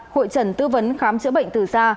hội trần tư vấn khám chữa bệnh từ xa